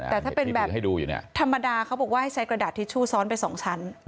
แต่ถ้าเป็นแบบธรรมดาเขาบอกว่าให้ใช้กระดาษทิชชู่ซ้อนไปสองชั้น